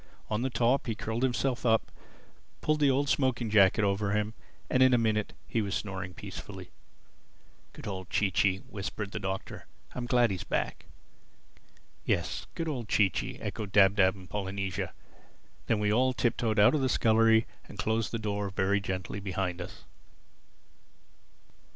On the top, he curled himself up, pulled the old smoking jacket over him, and in a minute he was snoring peacefully. "Good old Chee Chee!" whispered the Doctor. "I'm glad he's back." "Yes—good old Chee Chee!" echoed Dab Dab and Polynesia. Then we all tip toed out of the scullery and closed the door very gently behind us.